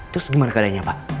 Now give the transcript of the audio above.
terus gimana keadainya pak